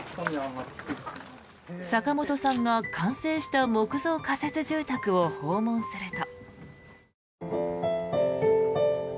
坂本さんが、完成した木造仮設住宅を訪問すると。